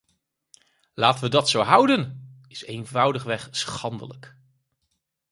Laten we dat zo houden!” is eenvoudigweg schandelijk.